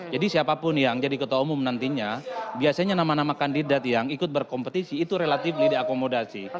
jadi siapapun yang jadi ketua umum nantinya biasanya nama nama kandidat yang ikut berkompetisi itu relatif diakomodasi